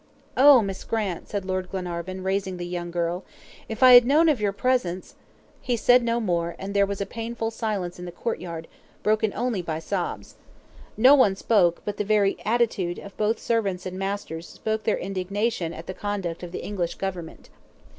"Oh! Miss Grant," said Lord Glenarvan, raising the young girl, "if I had known of your presence " He said no more, and there was a painful silence in the courtyard, broken only by sobs. No one spoke, but the very attitude of both servants and masters spoke their indignation at the conduct of the English Government.